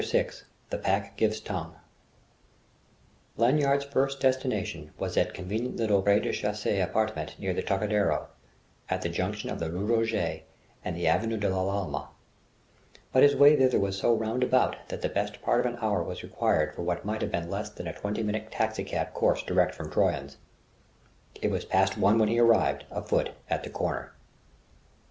VI THE PACK GIVES TONGUE Lanyard's first destination was that convenient little rez de chaussée apartment near the Trocadéro, at the junction of the rue Roget and the avenue de l'Alma; but his way thither was so roundabout that the best part of an hour was required for what might have been less than a twenty minute taxicab course direct from Troyon's. It was past one when he arrived, afoot, at the corner.